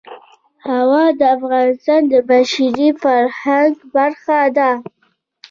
هوا د افغانستان د بشري فرهنګ برخه ده.